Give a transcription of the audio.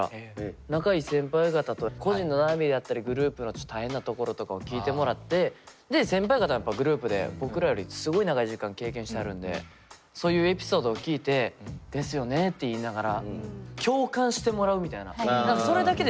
仲いい先輩方と個人の悩みであったりグループのちょっと大変なところとかを聞いてもらってで先輩方がやっぱりグループで僕らよりすごい長い時間経験してはるんでそういうエピソードを聞いてですよねって言いながら確かにね。